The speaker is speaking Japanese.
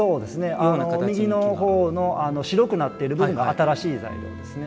右のほうの白くなっている部分が新しい材料ですね。